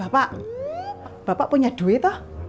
pak bapak punya duit